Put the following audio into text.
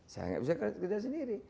saya enggak bisa kerja sendiri